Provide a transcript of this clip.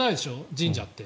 神社って。